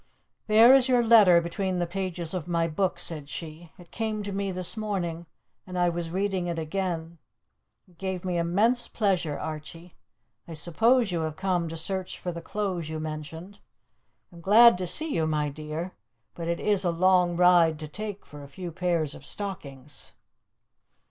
"There is your letter between the pages of my book," said she. "It came to me this morning, and I was reading it again. It gave me immense pleasure, Archie. I suppose you have come to search for the clothes you mentioned. I am glad to see you, my dear; but it is a long ride to take for a few pairs of stockings."